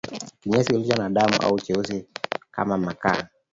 Kinyesi kilicho na damu au cheusi kama makaa